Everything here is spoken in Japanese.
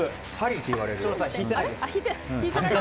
引いてないです。